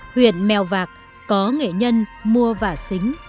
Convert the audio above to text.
huyện mèo vạc có nghệ nhân mua vả xính